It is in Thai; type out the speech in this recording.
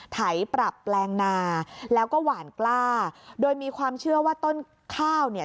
ไถปรับแปลงนาแล้วก็หวานกล้าโดยมีความเชื่อว่าต้นข้าวเนี่ย